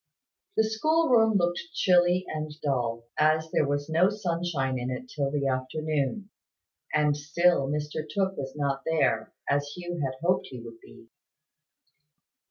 The school room looked chilly and dull, as there was no sunshine in it till the afternoon; and still Mr Tooke was not there, as Hugh had hoped he would be.